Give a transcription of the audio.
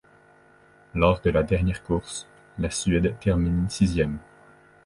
Lors de la dernière course, la Suède termine sixième.